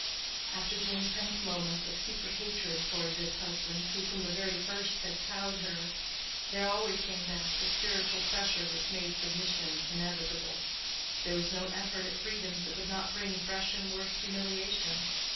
After the intense moments of secret hatred toward this husband who from the very first had cowed her, there always came back the spiritual pressure which made submission inevitable. There was no effort at freedoms that would not bring fresh and worse humiliation.